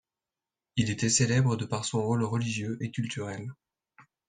Il était célèbre de par son rôle religieux et culturel.